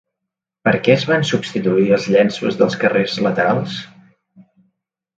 Per què es van substituir els llenços dels carrers laterals?